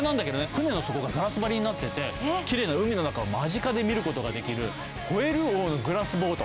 船の底がガラス張りになっててきれいな海の中を間近で見ることができるホエルオーのグラスボート。